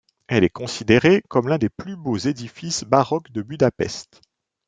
Elle est considérée comme l'un des plus beaux édifices baroques de Budapest.